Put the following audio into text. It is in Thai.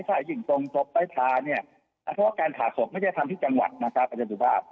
ถ้าจิ่งจงจบไปถาเพราะว่าการถ่าศกไม่ได้ทำที่จังหวัดอาจารย์บริธีมาศ